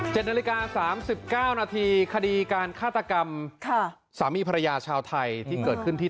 เจ็ดนาฬิกา๓๙นาทีคดีการฆาตกรรมค่ะสามีภรรยาชาวไทยที่เกิดขึ้นที่